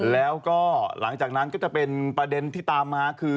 แล้วก็หลังจากนั้นก็จะเป็นประเด็นที่ตามมาคือ